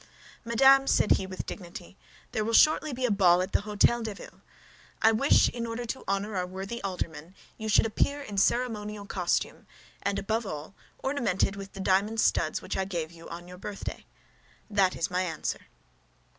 "Madame," said he, with dignity, "there will shortly be a ball at the Hôtel de Ville. I wish, in order to honor our worthy aldermen, you should appear in ceremonial costume, and above all, ornamented with the diamond studs which I gave you on your birthday. That is my answer."